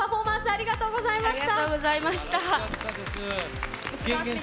ありがとうございます。